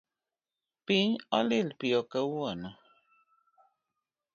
Piny olil piyo kawuono